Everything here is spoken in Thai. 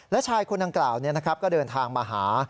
และชายคนดังกล่าวก็เดินทางมาหา